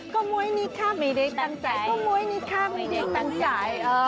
ก็มวยนิค่ะไม่ได้ตั้งใจ